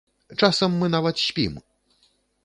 Часам мы нават спім!